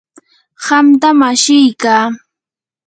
qamtam ashiykaa.